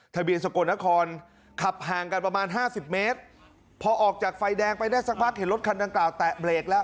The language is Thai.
ทะเบียนสกลนครขับห่างกันประมาณห้าสิบเมตรพอออกจากไฟแดงไปได้สักพักเห็นรถคันดังกล่าวแตะเบรกแล้ว